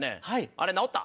あれ直った？